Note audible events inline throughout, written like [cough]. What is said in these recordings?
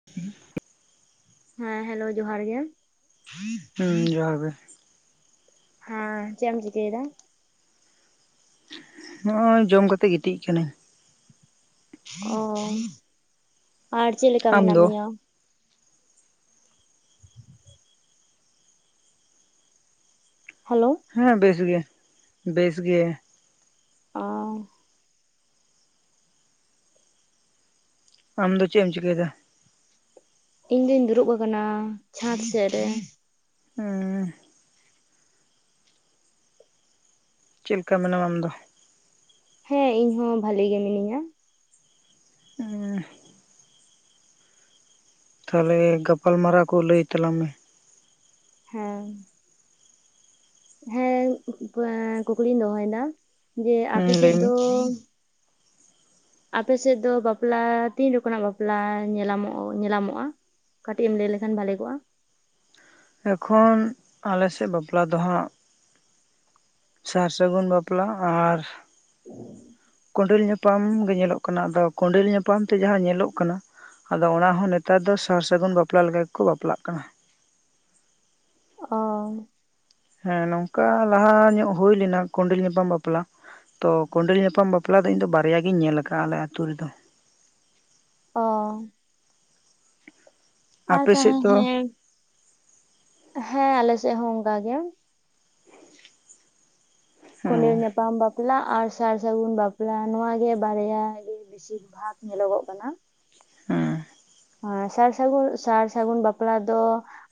[unintelligible] ᱦᱮᱸ ᱦᱮᱞᱳ ᱡᱚᱦᱟᱨ ᱜᱮ ᱛᱚᱵᱮ ᱦᱮᱸ ᱪᱮᱜ ᱮᱢ ᱪᱤᱠᱟᱹᱭ ᱫᱟ? ᱱᱚᱜᱼᱚᱭ ᱡᱚᱢ ᱠᱟᱛᱮᱜ ᱜᱤᱛᱤᱡ ᱠᱟᱱᱟᱹᱧ᱾ ᱚ ᱟᱨ ᱪᱮᱫ ᱞᱮᱠᱟ ᱟᱢ ᱢᱮᱱᱟᱜ ᱫᱚ ᱢᱮᱭᱟ? ᱦᱮᱞᱳ ᱦᱮᱸ ᱵᱮᱥ ᱜᱮ ᱵᱮᱥ ᱜᱮ᱾ ᱚ ᱟᱢᱫᱚ ᱪᱮᱜ ᱮᱢ ᱪᱤᱠᱟᱹᱭ ᱫᱟ? ᱤᱧ ᱫᱚᱧ ᱫᱩᱨᱩᱵ ᱟᱠᱟᱱᱟ ᱪᱷᱟᱸᱫᱽ ᱥᱮᱫ ᱨᱮ᱾ ᱚᱸ ᱪᱮᱜ ᱞᱮᱠᱟ ᱢᱮᱱᱟᱢᱟ ᱟᱢ ᱫᱚ? ᱦᱮᱸ ᱤᱧ ᱦᱚᱸ ᱵᱷᱟᱞᱤ ᱜᱮ ᱢᱤᱱᱟᱹᱧᱟ᱾ ᱚᱸ ᱛᱟᱦᱞᱮ ᱜᱟᱯᱟᱞᱢᱟᱨᱟᱣ ᱠᱚ ᱞᱟᱹᱭ ᱛᱟᱞᱟᱝ ᱢᱮ? ᱦᱮᱸ ᱦᱮᱸ ᱮᱸ ᱠᱩᱠᱞᱤᱧ ᱫᱚᱦᱚᱭ ᱫᱟ ᱡᱮ ᱦᱮᱸ ᱟᱯᱮ ᱞᱟᱹᱭ ᱥᱮᱜ ᱢᱮ ᱫᱚ ᱟᱯᱮ ᱥᱮᱫ ᱫᱚ ᱵᱟᱯᱞᱟ ᱛᱤᱱ ᱨᱚᱠᱚᱢᱟᱜ ᱵᱟᱯᱞᱟ ᱧᱮᱞᱟᱢᱚᱜ ᱧᱮᱞᱟᱢᱚᱜᱼᱟ? ᱠᱟᱹᱴᱤᱡ ᱮᱢ ᱞᱟᱹᱭ ᱞᱮᱠᱷᱟᱱ ᱵᱷᱟᱞᱤ ᱠᱚᱜᱼᱟ? ᱮᱠᱷᱚᱱ ᱟᱞᱮ ᱥᱮᱜ ᱵᱟᱯᱞᱟ ᱫᱚ ᱦᱟᱸᱜ ᱥᱟᱨ ᱥᱟᱹᱜᱩᱱ ᱵᱟᱯᱞᱟ ᱟᱨ ᱠᱚᱸᱰᱮᱞ ᱧᱟᱯᱟᱢ ᱜᱮ ᱧᱮᱞᱚᱜ ᱠᱟᱱᱟ ᱟᱫᱚ ᱠᱚᱸᱰᱮᱞ ᱧᱟᱯᱟᱢ ᱛᱮ ᱡᱟᱦᱟᱸ ᱧᱮᱞᱚᱜ ᱠᱟᱱᱟ ᱟᱫᱚ ᱚᱱᱟ ᱦᱚᱸ ᱱᱮᱛᱟᱨ ᱫᱚ ᱥᱟᱨ ᱥᱟᱹᱜᱩᱱ ᱵᱟᱯᱞᱟ ᱞᱮᱠᱟ ᱜᱮ ᱠᱚ ᱵᱟᱯᱞᱟᱜ ᱠᱟᱱᱟ᱾ ᱚ ᱦᱮᱸ ᱱᱚᱝᱠᱟ ᱞᱟᱦᱟ ᱧᱚᱜ ᱦᱩᱭ ᱞᱮᱱᱟ ᱠᱚᱸᱰᱤᱮᱞ ᱧᱟᱯᱟᱢ ᱵᱟᱯᱞᱟ ᱛᱚ ᱠᱚᱸᱰᱮᱞ ᱧᱟᱯᱟᱢ ᱵᱟᱯᱞᱟ ᱫᱚ ᱤᱧ ᱫᱚ ᱵᱟᱨᱭᱟ ᱜᱤᱧ ᱧᱮᱞ ᱟᱠᱟᱜᱼᱟ ᱟᱞᱮ ᱟᱹᱛᱩ ᱨᱮᱫᱚ ᱚ ᱟᱨ ᱟᱯᱮ ᱛᱟᱦᱮ ᱥᱮᱫ ᱫᱚ ᱦᱮᱸ ᱦᱮᱸ ᱟᱞᱮ ᱥᱮᱜ ᱦᱚᱸ ᱚᱝᱠᱟ ᱜᱮ ᱠᱚᱸᱰᱮᱞ ᱦᱮᱸ ᱧᱟᱯᱟᱢ ᱵᱟᱯ ᱯᱞᱟ ᱟᱨ ᱥᱟᱨ ᱥᱟᱹᱜᱩᱱ ᱵᱟᱯᱞᱟ ᱱᱚᱣᱟ ᱜᱮ ᱵᱟᱨᱭᱟ ᱜᱮ ᱵᱤᱥᱤᱨ ᱵᱷᱟᱜᱽ ᱧᱮᱞᱚᱜᱚᱜ ᱠᱟᱱᱟ᱾ ᱦᱩᱸ ᱟ ᱥᱟᱨ ᱥᱟᱹᱜᱩ ᱥᱟᱨ ᱥᱟᱹᱜᱩᱱ ᱵᱟᱯᱞᱟ ᱫᱚ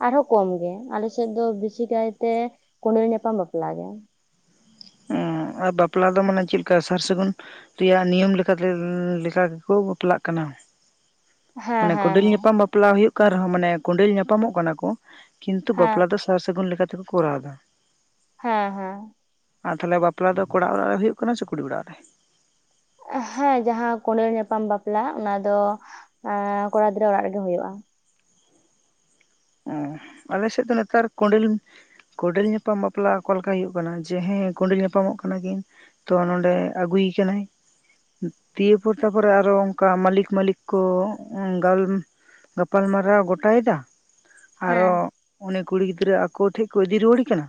ᱟᱨᱦᱚᱸ ᱠᱚᱢ ᱜᱮ ᱟᱞᱮ ᱥᱮᱫ ᱫᱚ ᱵᱤᱥᱤ ᱠᱟᱹᱭ ᱛᱮ ᱠᱚᱸᱰᱮᱞ ᱧᱟᱯᱟᱢ ᱵᱟᱯᱞᱟ ᱜᱮ᱾ ᱚᱸ ᱟ ᱵᱟᱯᱞᱟ ᱫᱚ ᱢᱟᱱᱮ ᱪᱮᱫ ᱞᱮᱠᱟ ᱥᱟᱨ ᱥᱟᱹᱜᱩᱱ? ᱨᱮᱭᱟᱜ ᱱᱤᱭᱚᱢ ᱞᱮᱠᱟ ᱛᱮ ᱞᱮᱠᱟ ᱜᱮ ᱠᱚ ᱵᱟᱯᱞᱟᱜ ᱠᱟᱱᱟ᱾ ᱦᱮᱸ ᱢᱟᱱᱮ ᱦᱮᱸ ᱠᱚᱸᱰᱮᱞ ᱦᱮᱸ ᱧᱟᱯᱟᱢ ᱵᱟᱯᱞᱟ ᱦᱩᱭᱩᱜ ᱠᱟᱱ ᱨᱮᱦᱚᱸ ᱢᱟᱱᱮ ᱠᱚᱸᱰᱮᱞ ᱧᱟᱯᱟᱢᱚᱜ ᱠᱟᱱᱟ ᱠᱚ ᱠᱤᱱᱛᱩ ᱦᱮᱸ ᱵᱟᱯᱞᱟ ᱫᱚ ᱥᱟᱨ ᱥᱟᱹᱜᱩᱱ ᱞᱮᱠᱟ ᱛᱮᱠᱚ ᱠᱚᱨᱟᱣᱫᱟ ᱦᱮᱸ ᱦᱮᱸ ᱟᱨ ᱛᱟᱞᱦᱮ ᱵᱟᱯᱞᱟ ᱫᱚ ᱠᱚᱲᱟ ᱚᱲᱟᱜ ᱨᱮ ᱦᱩᱭᱩᱜ ᱠᱟᱱᱟ ᱥᱮ ᱠᱩᱲᱤ ᱚᱲᱟᱜ ᱨᱮ ᱦᱮᱸ ᱡᱟᱦᱟᱸ ᱠᱚᱸᱰᱮᱞ ᱧᱟᱯᱟᱢ ᱵᱟᱯᱞᱟ ᱚᱱᱟ ᱫᱚ ᱮᱸ ᱠᱚᱲᱟ ᱜᱤᱫᱽᱨᱟᱹ ᱚᱲᱟᱜ ᱨᱮᱜᱮ ᱦᱩᱭᱩᱜᱼᱟ ᱚ ᱟᱞᱮ ᱥᱮᱫ ᱫᱚ ᱱᱮᱛᱟᱨ ᱠᱚᱸᱰᱮᱞ ᱠᱚᱸᱰᱮᱹᱞ ᱧᱟᱯᱟᱢ ᱵᱟᱯᱞᱟ ᱚᱠᱟ ᱞᱮᱠᱟ ᱦᱩᱭᱩᱜ ᱠᱟᱱᱟ ᱡᱮ ᱦᱮᱸ ᱠᱚᱸᱰᱮᱹᱞ ᱧᱟᱯᱟᱢᱚᱜ ᱠᱟᱱᱟ ᱠᱤᱱ ᱛᱚ ᱱᱚᱰᱮ ᱟᱹᱜᱩᱭᱮ ᱠᱟᱱᱟᱭ ᱫᱤᱭᱮ ᱯᱚᱨ ᱛᱟᱨ ᱯᱚᱨᱮ ᱟᱨᱚ ᱚᱝᱠᱟ ᱢᱟᱞᱤᱠ ᱢᱟᱹᱞᱤᱠ ᱠᱚ ᱜᱟᱞ ᱜᱟᱯᱟᱞᱢᱟᱨᱟᱣ ᱜᱚᱴᱟᱭᱮᱫᱟ ᱟᱨᱚ ᱦᱮᱸ ᱩᱱᱤ ᱠᱩᱲᱤ ᱜᱤᱫᱽᱨᱟᱹ ᱟᱠᱚ ᱴᱷᱮᱡ ᱠᱚ ᱤᱫᱤ ᱨᱩᱣᱟᱹᱲᱮ ᱠᱟᱱᱟ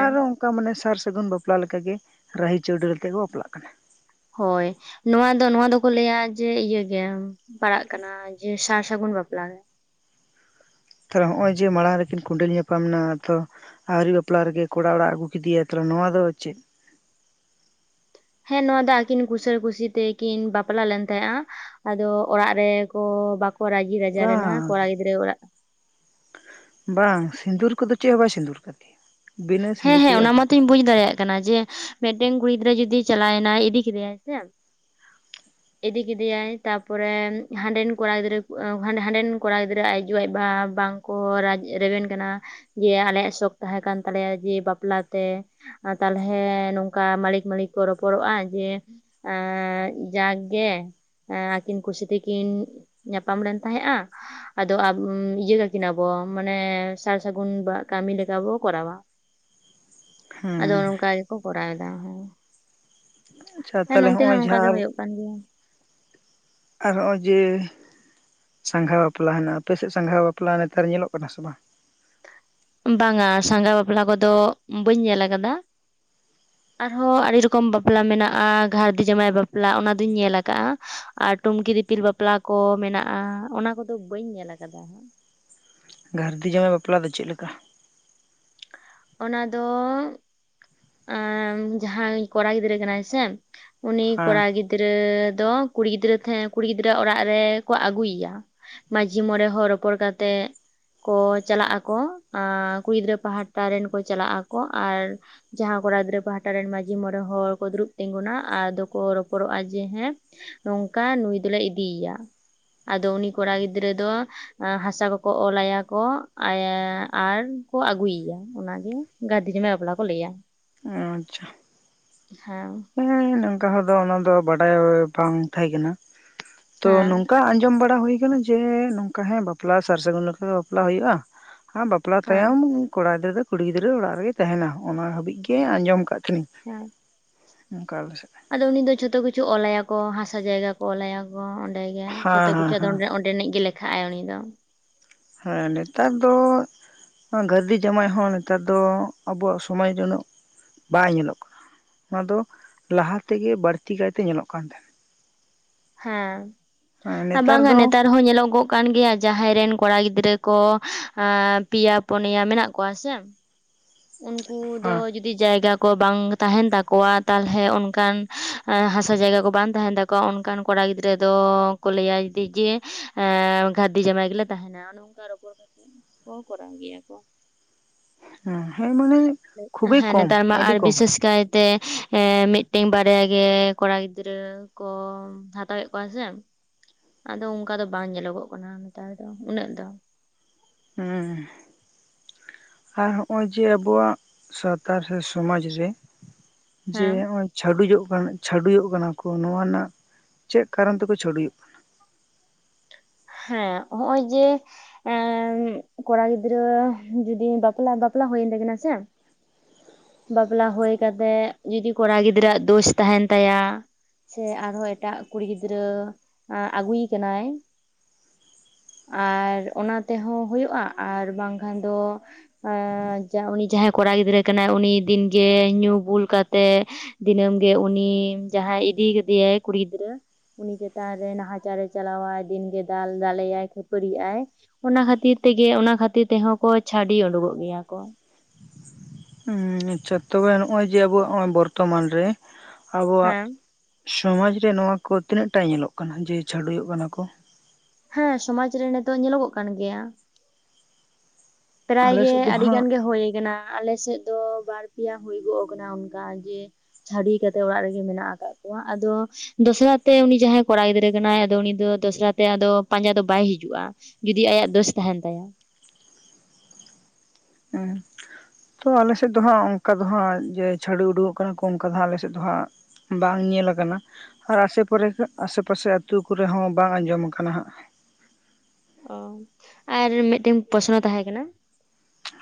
ᱟᱨᱚ ᱚᱝᱠᱟ ᱢᱟᱱᱮ ᱥᱟᱨ ᱥᱟᱹᱜᱩᱱ ᱵᱟᱯᱞᱟ ᱞᱮᱠᱟᱜᱮ ᱨᱟᱦᱤ ᱪᱟᱹᱣᱰᱟᱹᱞ ᱟᱛᱮᱫ ᱠᱚ ᱵᱟᱯᱞᱟᱜ ᱠᱟᱱᱟ ᱦᱳᱭ ᱱᱚᱣᱟ ᱫᱚ ᱱᱚᱣᱟ ᱫᱚᱠᱚ ᱞᱟᱹᱭᱟ ᱡᱮ ᱤᱭᱟᱹᱟᱹᱜ ᱜᱮ ᱯᱟᱲᱟᱜ ᱠᱟᱱᱟ ᱡᱮ ᱥᱟᱨ ᱥᱟᱹᱜᱩᱱ ᱵᱟᱯᱞᱟ ᱨᱮ ᱛᱟᱞᱦᱮ ᱦᱚᱸᱜᱼᱚᱭ ᱡᱮ ᱢᱟᱲᱟᱝ ᱨᱮᱠᱤᱱ ᱠᱚᱸᱰᱮᱹᱞ ᱧᱟᱯᱟᱢ ᱮᱱᱟ ᱛᱚ ᱟᱹᱣᱨᱤ ᱵᱟᱯᱞᱟ ᱨᱮᱜᱮ ᱠᱚᱲᱟ ᱚᱲᱟᱜ ᱟᱹᱜᱩ ᱠᱮᱫᱮᱭᱟ ᱛᱚ ᱱᱚᱣᱟ ᱫᱚ ᱪᱮᱫ ᱦᱮᱸ ᱱᱚᱣᱟ ᱫᱚ ᱟᱹᱠᱤᱱ ᱠᱩᱥᱟᱹ ᱠᱩᱥᱤ ᱛᱮᱠᱤ ᱵᱟᱯᱞᱟ ᱞᱮᱱ ᱛᱟᱦᱮᱸᱜᱼᱟ ᱟᱫᱚ ᱚᱲᱟᱜ ᱨᱮ ᱠᱚ ᱵᱟᱠᱚ ᱨᱟᱡᱤ ᱨᱟᱡᱟ ᱞᱮᱱᱟ ᱵᱟᱝ ᱠᱚᱲᱟ ᱜᱤᱫᱽᱨᱟᱹᱣᱟᱜ ᱚᱲᱟᱜ ᱵᱟᱝ ᱥᱤᱸᱫᱩᱨ ᱠᱚᱫᱚ ᱪᱮᱫ ᱦᱚᱸ ᱵᱟᱭ ᱥᱤᱸᱫᱩᱨ ᱠᱟᱫᱮᱭᱟ ᱵᱤᱱᱟᱹ ᱦᱮᱸ ᱥᱤᱸᱫᱩᱨ ᱦᱮᱸ ᱛᱮᱜᱮ ᱚᱱᱟ ᱟᱹᱜᱩ ᱢᱟᱛᱩᱧ ᱠᱟᱫᱮᱭᱟ ᱵᱩᱡᱽ ᱫᱟᱲᱮᱭᱟᱜ ᱠᱟᱱᱟ ᱡᱮ ᱢᱮᱫᱴᱮᱱ ᱠᱩᱲᱤ ᱜᱤᱫᱽᱨᱟᱹ ᱡᱩᱫᱤ ᱪᱟᱞᱟᱣᱱᱟᱭ ᱤᱫᱤ ᱠᱮᱫᱮᱭᱟᱭ ᱥᱮ ᱤᱫᱤ ᱠᱮᱫᱮᱭᱟᱭ ᱛᱟᱨᱯᱚᱨᱮ ᱦᱟᱸᱰᱮᱱ ᱠᱚᱲᱟ ᱜᱤᱫᱽᱨᱟᱹ ᱦᱟᱸᱰᱮᱱ ᱠᱚᱲᱟ ᱜᱤᱫᱽᱨᱟᱹ ᱟᱡ ᱟᱭᱳ ᱟᱡ ᱵᱟᱵᱟ ᱵᱟᱝ ᱠᱚ ᱨᱮᱵᱮᱱ ᱠᱟᱱᱟ ᱡᱮ ᱟᱞᱮᱭᱟᱜ ᱥᱚᱠ ᱛᱟᱦᱮᱸ ᱠᱟᱱ ᱛᱟᱞᱮᱭᱟ ᱡᱮ ᱵᱟᱯᱞᱟᱛᱮ ᱛᱟᱞᱦᱮ ᱱᱚᱝᱠᱟ ᱢᱟᱞᱤᱠ ᱢᱟᱞᱤᱠ ᱠᱚ ᱨᱚᱯᱚᱲᱚᱜᱼᱟ ᱡᱮ ᱮᱸᱻ ᱡᱟᱠ ᱜᱮ ᱟᱹᱠᱤᱱ ᱠᱩᱥᱤ ᱛᱮᱠᱤᱱ ᱧᱟᱯᱟᱢ ᱞᱮᱱ ᱛᱟᱦᱮᱸᱜᱼᱟ ᱟᱫᱚ ᱤᱭᱟᱹ ᱠᱟᱠᱤᱱᱟᱵᱚ ᱢᱟᱱᱮ ᱥᱟᱨ ᱥᱟᱹᱜᱩᱱ ᱵᱟ ᱠᱟᱹᱢᱤ ᱞᱮᱠᱟ ᱵᱚ ᱠᱚᱨᱟᱣᱟ ᱟᱫᱚ ᱦᱮᱸ ᱱᱟᱝᱠᱟ ᱜᱮᱠᱚ ᱠᱚᱨᱟᱣ ᱮᱫᱟ ᱦᱚᱸ ᱟᱪᱪᱷᱟ ᱦᱮᱸ ᱛᱟᱦᱚᱞᱮ ᱱᱚᱱᱛᱮ ᱦᱚᱸ ᱦᱚᱸᱜᱼᱚᱭ ᱱᱚᱝᱠᱟ ᱜᱮ ᱡᱟᱦᱟᱸ ᱦᱩᱭᱩᱜ ᱠᱟᱱ ᱜᱮᱭᱟ ᱟᱨ ᱱᱚᱜ-ᱚᱭ ᱡᱮ ᱥᱟᱸᱜᱷᱟ ᱵᱟᱯᱞᱟ ᱦᱮᱱᱟᱜ-ᱟ ᱟᱯᱮ ᱥᱮᱫ ᱥᱟᱸᱜᱷᱟ ᱵᱟᱯᱞᱟ ᱱᱮᱛᱟᱨ ᱧᱮᱞᱚᱜ ᱠᱟᱱᱟ ᱥᱮ ᱵᱟᱝ? ᱵᱟᱝᱟ ᱥᱟᱸᱜᱷᱟ ᱵᱟᱯᱞᱟ ᱠᱚᱫᱚ ᱵᱟᱹᱧ ᱧᱮᱞ ᱠᱟᱫᱟ ᱟᱨᱦᱚᱸ ᱟᱹᱰᱤ ᱨᱚᱠᱚᱢ ᱵᱟᱯᱞᱟ ᱢᱮᱱᱟᱜ-ᱟ ᱜᱷᱟᱨᱫᱤ ᱡᱟᱶᱟᱭ ᱵᱟᱯᱞᱟ ᱚᱱᱟ ᱫᱩᱧ ᱧᱮᱞ ᱟᱠᱟᱫᱟ ᱟᱨ ᱴᱩᱢᱠᱤ ᱫᱤᱯᱤᱞ ᱵᱟᱯᱞᱟ ᱠᱚ ᱢᱮᱱᱟᱜᱼᱟ ᱚᱱᱟ ᱠᱚᱫᱚ ᱵᱟᱹᱧ ᱧᱮᱞ ᱠᱟᱫᱟ ᱦᱟᱸᱜ ᱜᱷᱟᱨᱫᱤ ᱡᱟᱶᱟᱭ ᱵᱟᱯᱞᱟ ᱫᱚ ᱪᱮᱫ ᱞᱮᱠᱟ ᱚᱱᱟ ᱫᱚᱻ ᱟᱸᱻ ᱡᱟᱦᱟᱸᱭ ᱠᱚᱲᱟ ᱜᱤᱫᱽᱨᱟᱹ ᱠᱟᱱᱟᱭ ᱥᱮ ᱩᱱᱤ ᱠᱚᱲᱟ ᱦᱮᱸ ᱜᱤᱫ ᱜᱤᱫᱽᱨᱟᱹ ᱫᱚ ᱠᱩᱲᱤ ᱜᱤᱫᱽᱨᱟᱹ ᱛᱟᱦᱮᱸ ᱠᱩᱲᱤ ᱜᱤᱫᱽᱨᱟᱹ ᱟᱜ ᱚᱲᱟᱜ ᱨᱮ ᱠᱚ ᱟᱹᱜᱩᱭᱮᱭᱟ ᱢᱟᱡᱷᱤ ᱢᱚᱬᱮ ᱦᱚᱲ ᱨᱚᱯᱚᱲ ᱠᱟᱛᱮᱜ ᱠᱚ ᱪᱟᱞᱟᱜ ᱟᱠᱚ ᱮ ᱠᱩᱲᱤ ᱜᱤᱫᱽᱨᱟᱹ ᱯᱟᱦᱴᱟ ᱨᱮᱱ ᱠᱚ ᱪᱟᱞᱟᱜ ᱟᱠᱚ ᱟᱨ ᱡᱟᱦᱟᱸ ᱠᱚᱲᱟ ᱜᱤᱫᱽᱨᱟᱹ ᱯᱟᱦᱴᱟ ᱨᱮᱱ ᱢᱺᱡᱷᱤ ᱢᱚᱬᱮ ᱦᱚᱲ ᱠᱚ ᱫᱩᱲᱩᱵ ᱛᱤᱸᱜᱩᱱᱟ ᱟᱫᱚ ᱠᱚ ᱨᱚᱯᱚᱲᱚᱜᱼᱟ ᱡᱮ ᱦᱮᱸ ᱱᱚᱝᱠᱟ ᱱᱩᱭ ᱫᱚᱞᱮ ᱤᱫᱤᱭᱮᱭᱟ ᱟᱫᱚ ᱩᱱᱤ ᱠᱚᱲᱟ ᱜᱤᱫᱽᱨᱟᱹ ᱫᱚ ᱦᱟᱥᱟ ᱠᱚᱠᱚ ᱚᱞ ᱟᱭᱟ ᱠᱚ ᱟᱨ ᱠᱚ ᱟᱹᱜᱩᱭᱮᱭᱟ ᱚᱱᱟᱜᱮ ᱜᱷᱟᱹᱨᱫᱤ ᱡᱟᱢᱟᱭ ᱵᱟᱯᱞᱟ ᱠᱚ ᱞᱟᱹᱭᱟ ᱟᱪᱪᱷᱟ ᱦᱮᱸ ᱦᱮᱸ ᱱᱚᱝᱠᱟ ᱦᱚᱲ ᱫᱚ ᱚᱱᱟ ᱫᱚ ᱵᱟᱰᱟᱭ ᱵᱟᱝ ᱛᱟᱦᱮᱸ ᱠᱟᱱᱟ ᱛᱚ ᱦᱮᱸ ᱱᱚᱝᱠᱟ ᱟᱸᱡᱚᱢ ᱵᱟᱲᱟ ᱦᱩᱭ ᱟᱠᱟᱱᱟ ᱡᱮ ᱡᱮ ᱱᱚᱝᱠᱟ ᱦᱮᱸ ᱵᱟᱯᱞᱟ ᱥᱟᱨ ᱥᱟᱹᱜᱩᱱ ᱞᱮᱠᱟ ᱵᱟᱯᱞᱟ ᱦᱩᱭᱩᱜᱼᱟ ᱵᱟᱯᱞᱟ ᱦᱮᱸ ᱛᱟᱭᱚᱢ ᱠᱚᱲᱟ ᱜᱤᱫᱽᱨᱟᱹ ᱫᱚ ᱠᱩᱲᱤ ᱜᱤᱫᱽᱨᱟᱹ ᱚᱲᱟᱜ ᱨᱮᱜᱮᱭ ᱛᱟᱦᱮᱱᱟ ᱚᱱᱟ ᱦᱟᱹᱵᱤᱡ ᱜᱮ ᱟᱸᱡᱚᱢ ᱟᱠᱟᱫ ᱛᱟᱸᱦᱮᱱᱤᱧ ᱦᱮᱸ ᱦᱮᱸ ᱚᱱᱠᱟ ᱟᱞᱮ ᱥᱮᱫ ᱟᱫᱚ ᱩᱱᱤ ᱫᱚ ᱡᱚᱛᱚ ᱠᱤᱪᱷᱩ ᱚᱞ ᱟᱭᱟ ᱠᱚ ᱦᱟᱥᱟ ᱡᱟᱭᱜᱟ ᱠᱚ ᱚᱞ ᱟᱭᱟ ᱠᱚ ᱚᱸᱰᱮ ᱜᱮ ᱡᱚᱛᱚ ᱦᱮᱸ ᱦᱮᱸ ᱠᱤᱪᱷᱩ ᱟᱫᱚ ᱦᱮᱸ ᱚᱸᱰᱮ ᱚᱸᱰᱮᱱᱤᱡ ᱜᱮ ᱞᱮᱠᱷᱟᱜ-ᱟᱭ ᱩᱱᱤ ᱫᱚ ᱦᱮᱸ ᱱᱮᱛᱟᱨ ᱫᱚ ᱜᱟᱹᱨᱫᱷᱤ ᱡᱟᱣᱟᱭ ᱦᱚᱸ ᱱᱮᱛᱟᱨ ᱫᱚ ᱟᱵᱚᱣᱟᱜ ᱥᱚᱢᱟᱡ ᱩᱱᱟᱹᱜ ᱵᱟᱭ ᱧᱮᱞᱚᱜ ᱠᱟᱱᱟ ᱚᱱᱟ ᱫᱚ ᱞᱟᱦᱟ ᱛᱮᱜᱮ ᱵᱟᱹᱲᱛᱤ ᱠᱟᱭᱛᱮ ᱧᱮᱞᱚᱜ ᱠᱟᱱ ᱛᱟᱦᱮᱱᱟ ᱦᱮᱸ ᱦᱮᱸ ᱟᱨ ᱵᱟᱝ ᱟ ᱫᱚ ᱱᱮᱛᱟᱨ ᱦᱚᱸ ᱧᱮᱞᱚᱜᱚᱜ ᱠᱟᱱ ᱜᱮᱭᱟ ᱡᱟᱦᱟᱸᱭ ᱨᱮᱱ ᱠᱚᱲᱟ ᱜᱤᱫᱽᱨᱟᱹ ᱠᱚ ᱯᱮᱭᱟ ᱯᱩᱱᱭᱟ ᱢᱮᱱᱟᱜ ᱠᱚᱣᱟ ᱥᱮ ᱩᱱᱠᱩ ᱫᱚ ᱦᱮᱸ ᱡᱩᱫᱤ ᱡᱩᱫᱤ ᱡᱟᱭᱜᱟ ᱠᱚ ᱵᱟᱝ ᱛᱟᱦᱮᱱ ᱛᱟᱠᱚᱣᱟ ᱛᱟᱦᱚᱞᱮ ᱚᱱᱠᱟᱱ ᱦᱟᱥᱟ ᱡᱟᱭᱜᱟ ᱠᱚ ᱵᱟᱝ ᱛᱟᱦᱮᱱ ᱛᱟᱠᱚᱣᱟ ᱚᱱᱠᱟᱱ ᱠᱚᱲᱟ ᱜᱤᱫᱽᱨᱟᱹ ᱫᱚᱠᱚ ᱞᱟᱹᱭᱟ ᱡᱮ ᱜᱟ. ᱨᱫᱷᱤ ᱡᱟᱢᱟᱭ ᱜᱮᱞᱮ ᱛᱟᱦᱮᱱᱟ ᱱᱚᱝᱠᱟ ᱨᱚᱯᱚᱲ ᱠᱟᱛᱮᱜ ᱠᱚ ᱠᱚᱨᱟᱣ ᱜᱮᱭᱟ ᱠᱚ ᱾ ᱦᱮ ᱦᱮᱢᱟ ᱦᱮᱸ ᱱᱮᱛᱟᱨ ᱢᱟ ᱟᱨ ᱵᱤᱥᱮᱥ ᱠᱟᱭ ᱛᱮ ᱢᱤᱫᱴᱮᱱ ᱵᱟᱨᱭᱟ ᱜᱮ ᱠᱚᱲᱟ ᱜᱤᱫᱽᱨᱟᱹ ᱠᱚ ᱦᱟᱛᱟᱣᱮᱫ ᱠᱚᱣᱟ ᱥᱮ ᱟᱫᱚ ᱚᱱᱠᱟ ᱫᱚ ᱵᱟᱝ ᱧᱮᱞᱚᱜᱚᱜ ᱠᱟᱱᱟ ᱱᱮᱛᱟᱨ ᱫᱚ ᱩᱱᱟᱹᱜ ᱫᱚ ᱦᱮᱸ ᱟᱨ ᱱᱚᱜᱼᱚᱭ ᱡᱮ ᱟᱵᱚᱣᱟᱜ ᱥᱟᱶᱛᱟᱨ ᱥᱮ ᱥᱚᱢᱟᱡ ᱨᱮ ᱡᱮ ᱦᱮᱸ ᱚᱜ ᱚᱭ ᱪᱷᱟᱹᱰᱩᱡᱚᱜ ᱠᱟᱱᱟ ᱪᱷᱰᱩᱭᱡᱚᱜ ᱠᱟᱱᱟ ᱠᱚ ᱱᱚᱣᱟ ᱨᱮᱱᱟᱜ ᱪᱮᱫ ᱠᱟᱨᱚᱱ ᱛᱮᱠᱚ ᱪᱷᱟᱹᱰᱩᱭᱚᱜ ᱠᱟᱱᱟ ᱦᱮᱸ ᱦᱚᱜᱼᱚᱭ ᱡᱮ ᱮᱸ ᱠᱚᱲᱟ ᱜᱤᱫᱽᱨᱟᱹ ᱡᱩᱫᱤ ᱵᱟᱯᱞᱟ ᱵᱟᱯᱞᱟ ᱦᱩᱭᱮᱱ ᱛᱟᱭ ᱠᱟᱱᱟ ᱥᱮ ᱵᱟᱯᱞᱟ ᱦᱩᱭ ᱠᱟᱛᱮᱜ ᱡᱩᱫᱤ ᱠᱚᱲᱟ ᱜᱤᱫᱽᱨᱟᱹᱣᱟᱜ ᱫᱳᱥ ᱛᱟᱦᱮᱱ ᱛᱟᱭᱟ ᱥᱮ ᱟᱨᱦᱚᱸ ᱮᱴᱟᱜ ᱠᱩᱲᱤ ᱜᱤᱫᱽᱨᱟᱹ ᱟᱹᱜᱩᱭ ᱠᱟᱱᱟᱭ ᱟᱨ ᱚᱱᱟ ᱛᱮᱦᱚᱸ ᱦᱩᱭᱩᱜᱼᱟ ᱟᱨ ᱵᱟᱝᱠᱷᱟᱱ ᱫᱚ ᱟᱻ ᱩᱱᱤ ᱡᱟᱦᱟᱸᱭ ᱠᱚᱲᱟ ᱜᱤᱫᱽᱨᱟᱹ ᱠᱟᱱᱟᱭ ᱩᱱᱤ ᱫᱤᱱᱜᱮ ᱧᱩ ᱵᱩᱞ ᱠᱟᱛᱮᱜ ᱫᱤᱱᱟᱹᱢ ᱜᱮ ᱩᱱᱤ ᱡᱟᱦᱟᱸᱭ ᱤᱫᱤ ᱠᱟᱫᱮᱭᱟᱭ ᱠᱩᱲᱤ ᱜᱤᱫᱽᱨᱟᱹ ᱩᱱᱤ ᱪᱮᱛᱟᱱ ᱨᱮ ᱱᱟᱦᱟᱪᱟᱨᱮ ᱪᱟᱞᱟᱟᱭ ᱫᱤᱱᱜᱮ ᱫᱟᱞ ᱫᱟᱞᱮᱭᱟᱭ ᱠᱷᱟᱹᱯᱟᱹᱨᱤᱜ ᱟᱭ ᱚᱱᱟ ᱠᱷᱟᱹᱛᱤᱨ ᱛᱮᱜᱮ ᱚᱱᱟ ᱠᱷᱟᱹᱛᱤᱨ ᱛᱮᱦᱚᱸ ᱠᱚ ᱪᱷᱟᱹᱰᱤ ᱩᱰᱩᱠᱚᱜ ᱜᱮᱭᱟ ᱠᱚ ᱟᱪᱪᱷᱟ ᱛᱚᱵᱮ ᱱᱚᱜᱼᱚᱭ ᱡᱮ ᱟᱵᱚᱣᱟᱜ ᱵᱚᱨᱛᱚᱢᱟᱱ ᱨᱮ ᱟᱵᱚᱣᱟᱜ ᱦᱮᱸ ᱥᱚᱢᱟᱡᱽ ᱨᱮ ᱱᱚᱣᱟ ᱠᱚ ᱛᱤᱱᱟᱹᱜ ᱴᱟ ᱧᱮᱞᱚᱜ ᱠᱟᱱᱟ ᱡᱮ ᱪᱷᱟᱹᱰᱩᱭᱚᱜ ᱠᱟᱱᱟ ᱠᱚ ᱦᱮᱸ ᱥᱚᱢᱟᱡ ᱨᱮ ᱱᱤᱛᱚᱜ ᱧᱮᱞᱚᱜᱚᱜ ᱠᱟᱱ ᱜᱮᱭᱟ ᱾ ᱯᱨᱟᱭ ᱟᱞᱮ ᱜᱮ ᱥᱮᱫ ᱫᱚ ᱟᱹᱰᱤ ᱦᱟᱸᱜ ᱜᱟᱱ ᱜᱮ ᱦᱩᱭ ᱟᱠᱟᱱᱟ ᱟᱞᱮᱥᱮᱫ ᱫᱚ ᱵᱟᱨ ᱯᱮᱭᱟ ᱦᱳᱭᱜᱚᱜ ᱠᱟᱱᱟ ᱚᱱᱠᱟ ᱡᱮ ᱪᱷᱟᱹᱰᱩᱭ ᱠᱟᱛᱮᱜ ᱚᱲᱟᱜ ᱨᱮᱜᱮ ᱢᱮᱱᱟᱜ ᱟᱠᱟᱫ ᱠᱚᱣᱟ ᱟᱫᱚ ᱫᱚᱥᱨᱟ ᱛᱮ ᱩᱱᱤ ᱡᱟᱦᱟᱸᱭ ᱠᱚᱲᱟ ᱜᱤᱫᱽᱨᱟᱹ ᱠᱟᱱᱟᱭ ᱟᱫᱚ ᱩᱱᱤ ᱫᱚ ᱫᱚᱥᱨᱟ ᱛᱮ ᱟᱫᱚ ᱯᱟᱸᱡᱟ ᱫᱚ ᱵᱟᱭ ᱦᱤᱡᱩᱜᱼᱟ ᱡᱩᱫᱤ ᱟᱭᱟᱜ ᱫᱳᱥ ᱛᱟᱦᱮᱱ ᱛᱟᱭᱟ ᱦᱮᱸ ᱛᱚ ᱟᱞᱮᱥᱮᱫ ᱫᱚ ᱦᱟᱸᱜ ᱚᱱᱠᱟ ᱫᱚ ᱦᱟᱸᱜ ᱡᱮ ᱪᱷᱟᱹᱰᱩᱭ ᱩᱰᱩᱠᱚᱜ ᱠᱟᱱᱟ ᱠᱚ ᱚᱱᱠᱟ ᱫᱚ ᱦᱸᱟᱜ ᱟᱞᱮᱥᱮᱫ ᱫᱚ ᱦᱟᱸᱜ ᱵᱟᱝ ᱧᱮᱞ ᱟᱠᱟᱱᱟ ᱟᱨ ᱟᱥᱮ ᱯᱚᱨᱮ ᱟᱥᱮ ᱯᱟᱥᱮ ᱟᱹᱛᱩ ᱠᱚᱨᱮ ᱦᱚᱸ ᱵᱟᱝ ᱟᱸᱡᱚᱢ ᱠᱟᱱᱟ ᱦᱟᱸᱜ ᱚ ᱟᱨ ᱢᱤᱫᱴᱮᱱ ᱯᱚᱥᱱᱚ ᱛᱟᱦᱮᱸ ᱠᱟᱱᱟ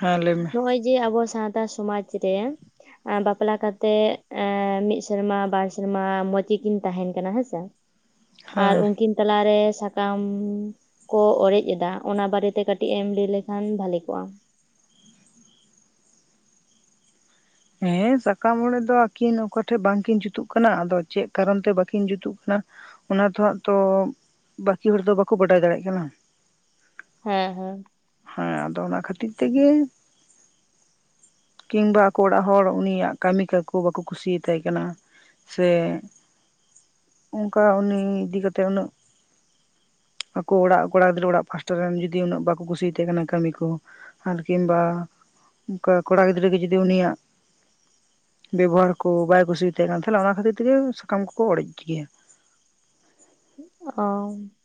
ᱦᱮᱸ ᱞᱟᱹᱭ ᱢᱮ ᱱᱚᱜᱼᱚᱭ ᱡᱮ ᱟᱵᱚ ᱥᱟᱶᱛᱟ ᱥᱚᱢᱟᱡᱽ ᱨᱮ ᱵᱟᱯᱞᱟ ᱠᱟᱛᱮᱜ ᱮ ᱢᱤᱫ ᱥᱮᱨᱢᱟ ᱵᱟᱨ ᱥᱮᱨᱢᱟ ᱢᱚᱸᱡᱽ ᱜᱮᱠᱤᱱ ᱛᱟᱦᱮᱱ ᱠᱟᱱᱟ ᱦᱮᱸᱥᱮ ᱟᱨ ᱦᱮᱸ ᱩᱱᱠᱤᱱ ᱛᱟᱞᱟᱨᱮ ᱥᱟᱠᱟᱢ ᱠᱚ ᱚᱨᱮᱡ ᱫᱟ ᱚᱱᱟ ᱵᱟᱨᱮᱛᱮ ᱠᱟᱹᱴᱤᱡ ᱮᱢ ᱞᱟᱹᱭ ᱞᱮᱠᱷᱟᱱ ᱵᱷᱟᱞᱮ ᱠᱚᱜᱼᱟ ᱾ ᱦᱮᱸ ᱥᱟᱠᱟᱢ ᱚᱲᱮᱡ ᱫᱚ ᱟᱹᱠᱤᱱ ᱚᱠᱟᱴᱷᱮᱡ ᱵᱟᱝᱠᱤᱱ ᱡᱩᱛᱩᱜ ᱠᱟᱱᱟ ᱟᱫᱚ ᱪᱮᱫ ᱠᱟᱨᱚᱱ ᱛᱮ ᱵᱟᱠᱤᱱ ᱡᱩᱛᱩᱜ ᱠᱟᱱᱟ ᱚᱱᱟ ᱫᱚ ᱦᱟᱸᱜ ᱛᱚ ᱵᱟᱹᱠᱤ ᱦᱚᱲ ᱫᱚ ᱵᱟᱠᱚ ᱵᱟᱰᱟᱭ ᱫᱟᱲᱮᱭᱟᱜ ᱠᱟᱱᱟ ᱦᱮᱸ ᱦᱮᱸ ᱦᱮ ᱟᱫᱚ ᱚᱱᱟ ᱠᱷᱟᱹᱛᱤᱨ ᱛᱮᱜᱮ [inaudible] ᱠᱤᱝᱵᱟ ᱟᱠᱚ ᱚᱲᱟᱜ ᱦᱚᱲ ᱩᱱᱤᱭᱟᱜ ᱠᱟᱹᱢᱤ ᱠᱟᱠᱚ ᱵᱟᱠᱚ ᱠᱩᱥᱤᱭᱟᱛᱟᱭ ᱠᱟᱱᱟ ᱥᱮ ᱚᱱᱠᱟ ᱩᱱᱤ ᱤᱫᱤ ᱠᱟᱛᱮᱜ ᱩᱱᱟᱹᱜ ᱟᱠᱚ ᱚᱲᱟᱜ ᱠᱚᱲᱟ ᱜᱤᱫᱽᱨᱟᱹ ᱚᱲᱟᱜ ᱯᱟᱥᱴᱟ ᱨᱮᱱ ᱡᱩᱫᱤ ᱩᱱᱟᱹᱜ ᱵᱟᱠᱚ ᱠᱩᱥᱤᱭᱟ ᱛᱟᱦᱮᱸ ᱠᱟᱱᱟ ᱠᱟᱹᱢᱤ ᱠᱚ ᱟᱨ ᱠᱤᱢᱵᱟ ᱠᱚᱲᱟ ᱜᱤᱫᱽᱨᱟᱹ ᱜᱮ ᱡᱩᱫᱤ ᱩᱱᱤᱭᱟᱜ ᱵᱮᱵᱚᱦᱟᱨ ᱠᱚ ᱵᱟᱭ ᱠᱩᱥᱤᱭᱟᱛᱟᱭ ᱠᱟᱱ ᱛᱟᱦᱮᱱᱟ ᱚᱱᱟ ᱠᱷᱟᱹᱛᱤᱨ ᱛᱮᱜᱮ ᱥᱟᱠᱟᱢ ᱠᱚᱠᱚ ᱚᱲᱮᱡ ᱜᱮᱭᱟ ᱚ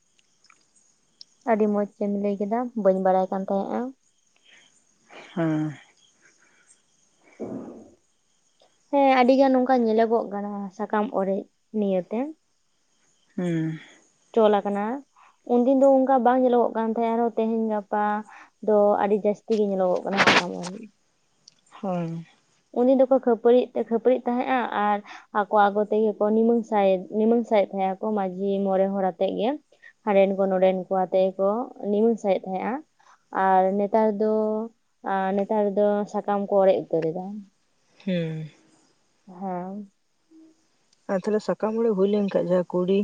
ᱟᱹᱰᱤ ᱢᱚᱸᱡᱽ ᱛᱮᱢ ᱞᱟᱹᱭ ᱠᱮᱫᱟ ᱵᱟᱹᱧ ᱵᱟᱰᱟᱭ ᱠᱟᱱ ᱛᱟᱦᱮᱸᱜᱼᱟ ᱦᱩᱸ ᱦᱮᱸ ᱟᱹᱰᱤ ᱜᱟᱱ ᱱᱚᱝᱠᱟ ᱧᱮᱞᱚᱜᱚᱜ ᱠᱟᱱᱟ ᱥᱟᱠᱟᱢ ᱚᱨᱮᱡ ᱱᱤᱭᱮᱛᱮ ᱦᱩᱸ ᱪᱚᱞᱟᱠᱟᱱᱟ ᱩᱱᱫᱤᱱ ᱫᱚ ᱚᱱᱠᱟ ᱵᱟᱝ ᱧᱮᱞᱚᱜᱚᱜ ᱠᱟᱱ ᱛᱟᱦᱮᱸᱱᱟ ᱟᱨ ᱦᱚᱸ ᱛᱮᱦᱤᱧ ᱜᱟᱯᱟ ᱫᱚ ᱟᱹᱰᱤ ᱡᱟᱹᱥᱛᱤ ᱜᱮ ᱧᱮᱞᱚᱜᱚᱜ ᱠᱟᱱᱟ ᱥᱟᱠᱟᱢ ᱚᱲᱮᱡ ᱦᱳᱭ ᱩᱱᱤ ᱫᱚᱠᱚ ᱠᱷᱟᱹᱯᱟᱹᱨᱤ ᱛᱮ ᱠᱷᱟᱹᱯᱟᱹᱨᱤᱜ ᱛᱟᱦᱮᱸᱫᱼᱟ ᱟᱨ ᱟᱠᱚ ᱟᱠᱚ ᱛᱮᱜᱮ ᱠᱚ ᱱᱤᱢᱟᱹ ᱥᱟᱭᱮᱫ ᱱᱤᱢᱟᱹᱝ ᱥᱟᱭᱮᱫ ᱛᱟᱦᱮᱸᱱᱟᱠᱚ ᱢᱟᱹᱡᱷᱤ ᱢᱚᱬᱮ ᱦᱚᱲ ᱟᱛᱮᱜ ᱜᱮ ᱦᱟᱸᱰᱮᱱ ᱠᱚ ᱱᱚᱸᱰᱮᱱ ᱠᱚ ᱟᱛᱮᱜ ᱜᱮ ᱠᱚ ᱱᱤᱢᱚᱱ ᱥᱟᱭᱮᱫ ᱛᱟᱦᱮᱸᱫᱼᱟ ᱟᱨ ᱱᱮᱛᱟᱨ ᱫᱚ ᱱᱮᱛᱟᱨ ᱫᱚ ᱥᱟᱠᱟᱢ ᱠᱚ ᱚᱲᱮᱡ ᱩᱛᱟᱹᱨ ᱮᱫᱟ ᱦᱩᱸ ᱦᱳᱭ ᱟᱨ ᱛᱟᱦᱚᱞᱮ ᱥᱟᱠᱟᱢ ᱚᱲᱮᱡ ᱦᱩᱭ ᱞᱮᱱ ᱠᱷᱟᱡ ᱡᱟᱦᱟᱸ ᱠᱩᱲᱤ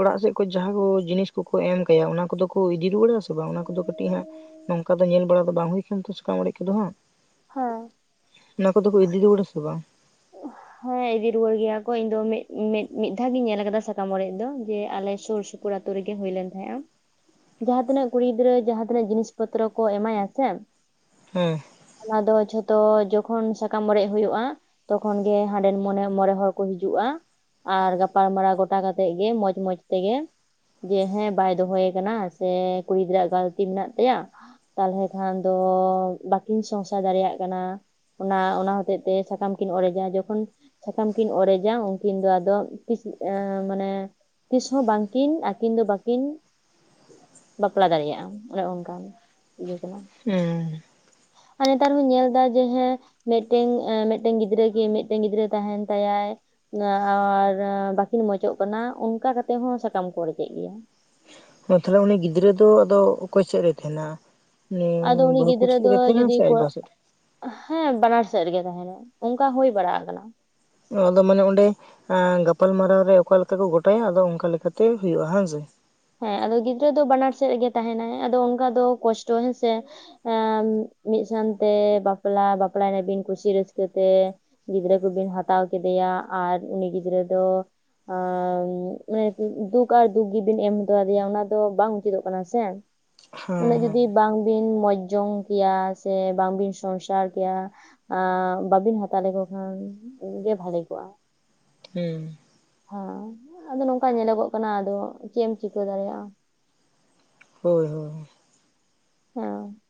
ᱚᱲᱟᱜ ᱥᱮᱫ ᱠᱚ ᱡᱟᱦᱟᱸ ᱠᱚ ᱡᱤᱱᱤᱥ ᱠᱚᱠᱚ ᱮᱢ ᱠᱟᱭᱟ ᱚᱱᱟ ᱠᱚᱫᱚ ᱠᱚ ᱤᱫᱤ ᱨᱩᱣᱟᱹᱲᱟ ᱥᱮ ᱛᱚ ᱵᱟᱝ ᱚᱱᱟ ᱠᱚᱫᱚ ᱠᱟᱹᱴᱤᱡ ᱦᱟᱸᱜ ᱱᱚᱝᱠᱟ ᱫᱚ ᱧᱮᱞ ᱵᱟᱲᱟ ᱫᱚ ᱵᱟᱝ ᱦᱩᱭᱠᱟᱱ ᱛᱚ ᱥᱟᱠᱟᱢ ᱚᱲᱮᱡ ᱠᱚᱫᱚ ᱦᱟᱸᱜ ᱦᱮᱸ ᱟᱱᱟ ᱠᱚᱫᱚ ᱠᱚ ᱤᱫᱤ ᱨᱩᱣᱟᱹᱲᱟᱥᱮ ᱵᱟᱝ ᱚ ᱦᱮᱸ ᱤᱫᱤ ᱨᱩᱣᱟᱹᱲ ᱜᱮᱭᱟ ᱠᱚ ᱤᱧ ᱫᱚ ᱢᱤᱫ ᱢᱤᱫ ᱫᱷᱟᱣ ᱜᱤᱧ ᱧᱮᱞ ᱟᱠᱟᱫᱟ ᱥᱟᱠᱟᱢ ᱚᱨᱮᱡ ᱫᱚ ᱡᱮ ᱟᱞᱮ ᱥᱩᱨ ᱥᱩᱯᱩᱨ ᱟᱛᱩ ᱨᱮᱜᱮ ᱦᱩᱭ ᱞᱮᱱ ᱛᱟᱦᱮᱸᱜᱼᱟ ᱡᱟᱦᱟᱸᱛᱤᱱᱟᱹᱜ ᱠᱩᱲᱤ ᱜᱤᱫᱽᱨᱟᱹ ᱡᱟᱦᱟᱸ ᱛᱤᱱᱟᱹᱜ ᱡᱤᱱᱤᱥ ᱯᱚᱛᱨᱚ ᱠᱚ ᱮᱢᱟᱭᱟ ᱥᱮ ᱦᱮᱸ ᱚᱱᱟ ᱫᱚ ᱡᱷᱚᱛᱚ ᱡᱚᱠᱷᱚᱱ ᱥᱟᱠᱟᱢ ᱚᱨᱮᱡ ᱦᱩᱭᱩᱜᱼᱟ ᱛᱚᱠᱷᱚᱱ ᱜᱮ ᱦᱟᱸᱰᱮᱱ ᱢᱚᱱᱮ ᱢᱚᱬᱮ ᱦᱚᱲ ᱠᱚ ᱦᱤᱡᱩᱜᱼᱟ ᱟᱨ ᱜᱟᱯᱟᱞ ᱢᱟᱨᱟᱣ ᱜᱚᱴᱟ ᱠᱟᱛᱮᱫ ᱜᱮ ᱢᱚᱸᱡᱽ ᱢᱚᱸᱡᱽ ᱛᱮᱜᱮ ᱡᱮ ᱦᱮᱸ ᱵᱟᱭ ᱫᱚᱦᱚᱭ ᱠᱟᱱᱟ ᱥᱮ ᱠᱩᱲᱤ ᱜᱤᱫᱽᱨᱟᱹ ᱜᱟᱹᱞᱛᱤ ᱢᱮᱱᱟᱜ ᱛᱟᱭᱟ ᱛᱟᱦᱚᱞᱮ ᱠᱷᱟᱱ ᱫᱚ ᱵᱟᱹᱠᱤᱱ ᱥᱚᱝᱥᱟᱨ ᱫᱟᱲᱮᱭᱟᱜ ᱠᱟᱱᱟ ᱚᱱᱟ ᱚᱱᱟ ᱦᱚᱛᱮᱡ ᱛᱮ ᱥᱟᱠᱟᱢ ᱠᱤᱱ ᱚᱲᱮᱡᱟ ᱡᱚᱠᱷᱚᱱ ᱥᱟᱠᱟᱢ ᱠᱤᱱ ᱚᱲᱮᱡᱟ ᱩᱱᱠᱤᱱ ᱫᱚ ᱟᱫᱚ ᱛᱤᱥ ᱮᱸ ᱢᱟᱱᱮ ᱠᱤᱱ ᱛᱤᱥᱦᱚᱸ ᱵᱟᱝᱠᱤᱱ ᱟᱹᱠᱤᱱ ᱫᱚ ᱵᱟᱹᱠᱤᱱ ᱵᱟᱯᱞᱟ ᱫᱟᱲᱮᱭᱟᱜᱼᱟᱡ ᱚᱱᱮ ᱚᱱᱠᱟᱱ ᱤᱭᱟᱹ ᱠᱟᱱᱟ ᱦᱩᱸ ᱟᱨ ᱱᱮᱛᱟᱨ ᱦᱚᱧ ᱧᱮᱞ ᱮᱫᱟ ᱡᱮ ᱦᱮᱸ ᱢᱤᱫᱴᱮᱱ ᱮᱸᱢᱮᱜ ᱴᱮᱱ ᱜᱤᱫᱽᱨᱟᱹ ᱠᱤ ᱢᱤᱫᱴᱮᱱ ᱜᱤᱫᱽᱨᱟᱹ ᱛᱟᱦᱮᱱ ᱛᱟᱭᱟᱭ, ᱟᱨ ᱵᱟᱹᱠᱤᱱ ᱢᱚᱸᱚᱡᱚᱜ ᱠᱟᱱᱟ, ᱚᱱᱠᱟ ᱠᱟᱛᱮᱜ ᱦᱚᱸ ᱥᱟᱠᱟᱢ ᱠᱚ ᱚᱲᱮᱡᱮᱜ ᱜᱮᱭᱟ ᱾ ᱛᱟᱦᱚᱞᱮ ᱩᱱᱤ ᱜᱤᱫᱽᱨᱟᱹ ᱫᱚ ᱟᱫᱚ ᱚᱠᱚᱭ ᱥᱮᱫ ᱨᱮᱭ ᱛᱟᱦᱮᱱᱟ᱾ ᱟᱫᱚ ᱩᱱᱤ ᱵᱟᱹᱦᱩ ᱠᱩᱲᱤ ᱜᱤᱫᱽᱨᱟᱹ ᱥᱮᱜ ᱫᱚ ᱨᱮ ᱛᱟᱦᱮᱱᱟ ᱥᱮ ᱡᱩᱫᱤ ᱟᱡ ᱠᱚ ᱵᱟ ᱥᱮᱜ ᱨᱮ ᱦᱮᱸ ᱵᱟᱱᱟᱨ ᱥᱮᱫ ᱨᱮᱜᱮ ᱛᱟᱦᱮᱱᱟ ᱚᱱᱠᱟ ᱦᱩᱭ ᱵᱟᱲᱟ ᱠᱟᱱᱟ ᱟᱫᱚ ᱢᱟᱱᱮ ᱚᱸᱰᱮ ᱜᱟᱯᱟᱞᱢᱟᱨᱟᱣ ᱨᱮ ᱚᱠᱟ ᱞᱮᱠᱟ ᱠᱚ ᱜᱚᱴᱟᱭᱟ ᱟᱫᱚ ᱚᱱᱠᱟ ᱞᱮᱠᱟᱛᱮ ᱦᱩᱭᱩᱜᱼᱟ ᱦᱮᱸ ᱥᱮ ᱦᱮᱸ ᱟᱫᱚ ᱜᱤᱫᱽᱨᱟᱹ ᱫᱚ ᱵᱟᱱᱟᱨ ᱥᱮᱫ ᱨᱮᱜᱮ ᱛᱟᱦᱮᱱᱟᱭ ᱟᱫᱚ ᱚᱱᱠᱟ ᱫᱚ ᱠᱚᱥᱴᱚ ᱦᱮᱸᱥᱮ ᱮᱸ ᱢᱤᱫ ᱥᱟᱶᱛᱮ ᱵᱟᱯᱞᱟ ᱵᱟᱯᱞᱟᱭᱮᱱᱟᱵᱤᱱ ᱠᱩᱥᱤ ᱨᱟᱹᱥᱠᱟᱹᱛᱮ ᱜᱤᱫᱽᱨᱟᱹ ᱠᱚᱵᱤᱱ ᱦᱟᱛᱟᱣ ᱠᱮᱫᱮᱭᱟ ᱟᱨ ᱩᱱᱤ ᱜᱤᱫᱽᱨᱟᱹ ᱫᱚ ᱟᱨ ᱢᱟᱱᱮ ᱫᱩᱠ ᱟᱨ ᱫᱩᱠ ᱜᱮᱵᱤᱱ ᱮᱢ ᱛᱚ ᱟᱫᱮᱭᱟ ᱚᱱᱟ ᱫᱚ ᱵᱟᱝ ᱩᱪᱤᱛᱚᱜ ᱠᱟᱱᱟ ᱥᱮ ᱦᱮᱸ ᱩᱱᱟᱹᱜ ᱦᱮᱸ ᱡᱩᱫᱤ ᱵᱟᱝ ᱵᱤᱱ ᱢᱚᱸᱡᱽ ᱡᱚᱝ ᱠᱮᱭᱟ ᱥᱮ ᱵᱟᱝ ᱵᱤᱱ ᱥᱚᱝ ᱥᱟᱨ ᱠᱮᱭᱟ ᱟ ᱵᱟᱵᱤᱱ ᱦᱟᱛᱟᱣ ᱞᱮᱠᱚ ᱠᱷᱟᱱ ᱜᱮ ᱵᱷᱟᱞᱤ ᱠᱚᱜᱼᱟ ᱦᱩᱸ ᱦᱮᱸ ᱟᱫᱚ ᱱᱚᱝᱠᱟ ᱧᱮᱞᱚᱜᱚᱜ ᱠᱟᱱᱟ ᱟᱫᱚ ᱪᱮᱫ ᱮᱢ ᱪᱤᱠᱟᱹ ᱫᱟᱲᱮᱭᱟᱜᱼᱟ᱾ ᱦᱳᱭ ᱦᱳᱭ ᱚᱸ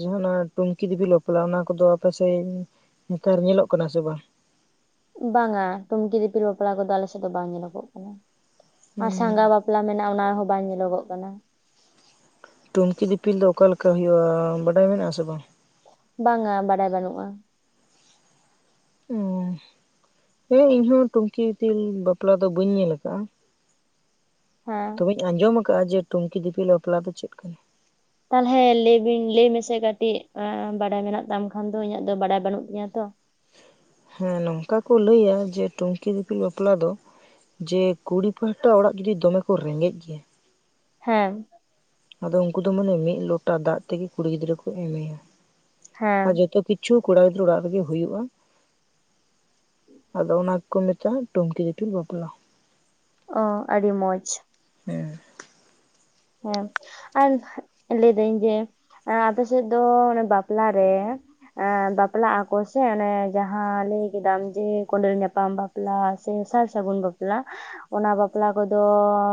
ᱡᱟᱦᱟᱸ ᱱᱟ ᱴᱩᱝᱠᱤ ᱫᱤᱯᱤᱞ ᱵᱟᱯᱞᱟ ᱚᱱᱟ ᱠᱚᱫᱚ ᱟᱯᱮ ᱥᱮᱫ ᱱᱮᱛᱟᱨ ᱧᱮᱞᱚᱜ ᱠᱟᱱᱟ ᱥᱮ ᱵᱟᱝ ᱵᱟᱝᱼᱟ ᱴᱩᱝᱠᱤ ᱫᱤᱯᱤᱞ ᱵᱟᱯᱞᱟ ᱠᱚᱫᱚ ᱟᱞᱮᱥᱮᱫ ᱫᱚ ᱵᱟᱝ ᱧᱮᱞᱚᱜᱚᱜ ᱠᱟᱱᱟ ᱟᱨ ᱥᱟᱸᱜᱟ ᱵᱟᱯ ᱞᱟ ᱢᱮᱱᱟᱜᱼᱟ ᱚᱱᱟ ᱦᱚᱸ ᱵᱟᱝ ᱧᱮᱞᱚᱜᱚᱜ ᱠᱟᱱᱟ ᱴᱩᱝᱠᱤ ᱫᱤᱯᱤᱞ ᱫᱚ ᱚᱠᱟ ᱞᱮᱠᱟ ᱦᱩᱭᱩᱜᱼᱟ ᱵᱟᱰᱟᱭ ᱢᱮᱱᱟᱜᱼᱟ ᱥᱮ ᱵᱟᱝ? ᱵᱟᱝᱜᱼᱟ ᱵᱟᱰᱟᱭ ᱵᱟᱹᱱᱩᱜᱼᱟ, ᱚᱸ ᱦᱮᱸ ᱤᱧᱦᱚᱸ ᱴᱩᱝᱠᱤ ᱫᱤᱯᱤᱞ ᱵᱟᱯᱞᱟ ᱫᱚ ᱵᱟᱹᱧ ᱧᱮᱞ ᱠᱟᱜᱼᱟ ᱾ ᱦᱮᱸ ᱛᱚᱵᱮᱧ ᱟᱸᱡᱚᱢ ᱟᱠᱟᱫᱟ ᱡᱮ ᱴᱩᱢᱠᱤ ᱫᱤᱯᱤᱞ ᱵᱟᱯᱞᱟ ᱫᱚ ᱪᱮᱫ ᱠᱟᱱᱟ᱾ ᱛᱟᱦᱚᱞᱮ ᱞᱟᱹᱭ ᱵᱤᱱ ᱞᱟᱹᱭ ᱢᱮᱥᱮ ᱠᱟᱹᱴᱤᱡ ᱵᱟᱲᱟᱭ ᱢᱮᱱᱟᱜ ᱛᱟᱢ ᱠᱷᱟᱱ ᱫᱚ ᱤᱧᱟᱹᱜ ᱫᱚ ᱵᱟᱰᱟᱭ ᱵᱟᱹᱱᱩᱜ ᱛᱤᱧᱟᱹ ᱛᱚ ᱦᱮᱸ ᱱᱚᱝᱠᱟ ᱠᱚ ᱞᱟᱹᱭᱟ ᱡᱮ ᱴᱩᱝᱠᱤ ᱫᱤᱯᱤᱞ ᱵᱟᱯᱞᱟ ᱫᱚ ᱡᱮ ᱠᱩᱲᱤ ᱯᱟᱦᱴᱟ ᱚᱲᱟᱜ ᱡᱩᱫᱤ ᱫᱚᱢᱮ ᱠᱚ ᱨᱮᱸᱜᱮᱡ ᱜᱮᱭᱟ ᱦᱮᱸᱢ ᱟᱫᱚ ᱩᱱᱠᱩ ᱫᱚ ᱢᱟᱱᱮ ᱢᱤᱫ ᱞᱚᱴᱟ ᱫᱟᱜ ᱛᱮᱜᱮ ᱠᱩᱲᱤ ᱜᱤᱫᱽᱨᱟᱹ ᱠᱚ ᱩᱢᱮᱭᱟ ᱾ ᱦᱮᱸ ᱟᱨ ᱡᱚᱛᱚ ᱠᱤ- ᱠᱤᱪᱷᱩ ᱠᱚᱲᱟ ᱜᱤᱫᱽᱨᱟᱹ ᱚᱲᱟᱜ ᱨᱮᱜᱮ ᱦᱩᱭᱩᱜᱼᱟ᱾ ᱟᱫᱚ ᱚᱱᱟ ᱜᱮᱠᱚ ᱢᱮᱛᱟᱜᱼᱟ ᱴᱩᱝᱠᱤ ᱫᱤᱯᱤᱞ ᱵᱟᱯᱞᱟ ᱾ ᱚ ᱟᱹᱰᱤ ᱢᱚᱡᱽ ᱦᱮᱸ ᱦᱮᱸ ᱟᱨ ᱞᱟᱹᱭ ᱫᱟᱹᱧ ᱡᱮ ᱮᱸ ᱟᱯᱮ ᱥᱮᱫ ᱫᱚ ᱚᱱᱟ ᱵᱟᱯᱞᱟ ᱨᱮ ᱾ ᱮ ᱵᱟᱯᱞᱟ ᱟᱠᱚ ᱥᱮ ᱚᱱᱮ ᱡᱟᱦᱟᱸ ᱞᱟᱹᱭ ᱠᱮᱫᱟᱢ ᱡᱮ ᱠᱚᱰᱮᱞ ᱧᱟᱯᱟᱢ ᱵᱟ ᱯᱞᱟ ᱥᱮ ᱥᱟᱨ ᱥᱟᱹᱜᱩᱱ ᱵᱟᱯᱞᱟ ᱾ ᱚᱱᱟ ᱵᱟᱯᱞᱟ ᱠᱚᱫᱚ ᱾